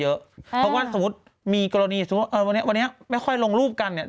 เพราะว่าสมมุติมีกรณีสมมุติวันนี้วันนี้ไม่ค่อยลงรูปกันเนี่ย